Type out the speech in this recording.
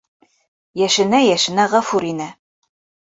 Йәшенә-йәшенә Ғәфүр инә.